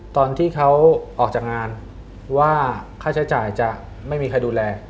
ตอนที่เขาออกจากงานว่าค่าใช้จ่ายจะไม่มีใครดูแล